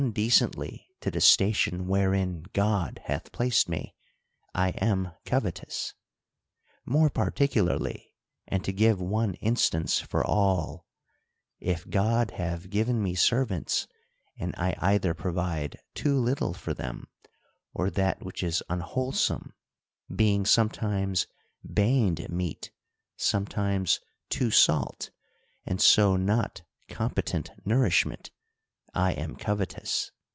decently to the station wherein God hath placed me, I am covetous. More particularly, and to give one instance for all ; if God have given me servants, and I either provide too little for them, or that which is unwhole some, being sometimes baned meat, sometimes too salt, and so not competent nourishment, I am covetous.